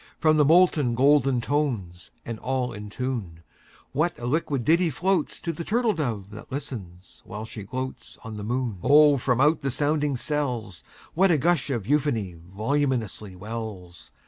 From the molten golden notes, And all in tune, What a liquid ditty floatsTo the turtle dove that listens, while she gloatsOn the moon! Oh, from out the sounding cells, What a gush of euphony voluminously wells!